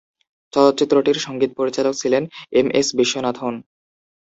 চলচ্চিত্রটির সঙ্গীত পরিচালক ছিলেন এম এস বিশ্বনাথন।